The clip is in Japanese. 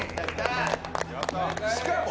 しかも！